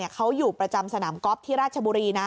เขาอยู่ประจำสนามก๊อฟที่ราชบุรีนะ